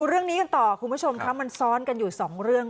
เรื่องนี้กันต่อคุณผู้ชมค่ะมันซ้อนกันอยู่สองเรื่อง